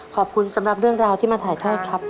ขอบคุณสำหรับเรื่องราวที่มาถ่ายด้วยครับ